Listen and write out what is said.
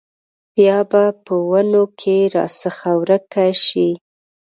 بیا په ونو کې راڅخه ورکه شي